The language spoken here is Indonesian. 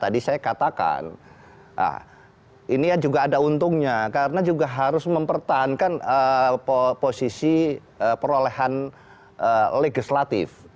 tadi saya katakan ini juga ada untungnya karena juga harus mempertahankan posisi perolehan legislatif